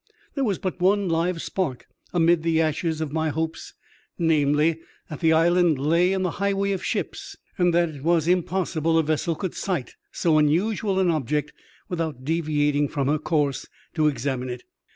There was but one live spark amid the ashes of my hopes — ^namely, that the island lay in the highway of ships, and that it was impossible a vessel could sight so unusual an object without deviating from her course to examine it.